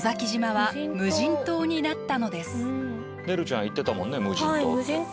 ねるちゃん言ってたもんね無人島。